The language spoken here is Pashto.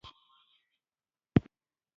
زه خپل ټول غوره نظرونه له همدې ځایه اخلم